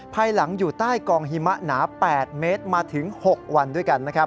ภายหลังอยู่ใต้กองหิมะหนา๘เมตรมาถึง๖วันด้วยกันนะครับ